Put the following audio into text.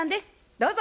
どうぞ。